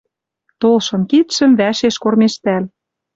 Толшын кидшӹм вӓшеш кормежтӓл.